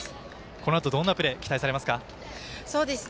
このあと、どんなプレー期待されますか？